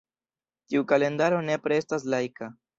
Tiu kalendaro nepre estas laika.